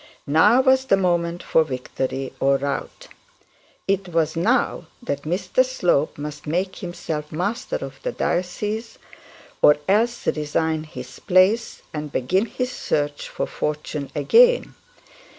Now was the moment for victory or rout. It was now that Mr Slope must make himself master of the diocese, or else resign his place and begin his search for fortune again.